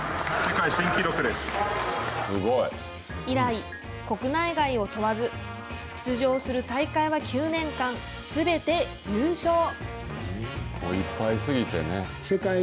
以来、国内外を問わず、出場する大会は９年間、すべて優勝。